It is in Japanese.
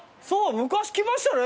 昔来ましたね。